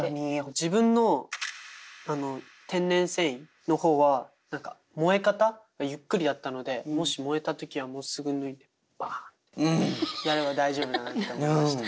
自分の天然繊維の方は何か燃え方がゆっくりだったのでもし燃えた時はもうすぐ脱いでバッってやれば大丈夫だなって思いました。